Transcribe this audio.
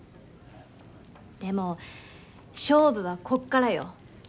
でも勝負はここからよ。